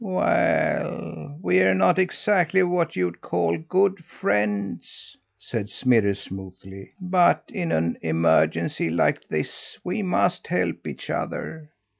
"Well, we're not exactly what you'd call good friends," said Smirre smoothly, "but in an emergency like this we must help each other.